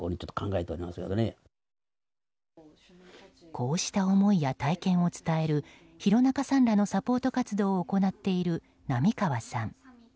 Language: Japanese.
こうした思いや体験を伝える廣中さんらのサポート活動を行っている並川さん。